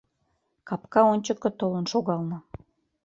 Капка ончыко толын шогална